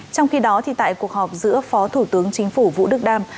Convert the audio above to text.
trong khi đó tại cuộc họp giữa phó thủ tướng chính phủ vũ đức đam